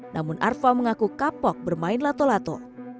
namun arfa mengaku kapok bermain lato lato